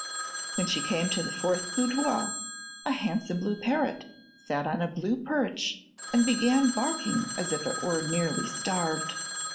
When she came to the fourth boudoir a handsome blue parrot sat on a blue perch and began barking as if it were nearly starved.